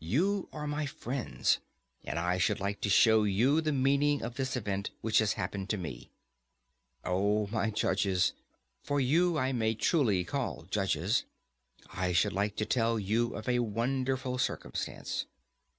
You are my friends, and I should like to show you the meaning of this event which has happened to me. O my judges—for you I may truly call judges—I should like to tell you of a wonderful circumstance.